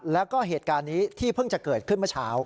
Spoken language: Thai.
แล้วก็เหตุการณ์นี้ที่เพิ่งจะเกิดขึ้นเมื่อเช้า